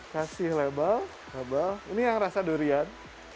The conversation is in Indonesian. kasih lebal ini yang rasa durian